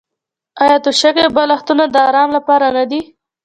آیا توشکې او بالښتونه د ارام لپاره نه دي؟